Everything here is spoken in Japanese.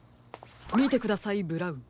みてくださいブラウン。